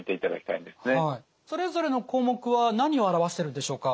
それぞれの項目は何を表してるんでしょうか？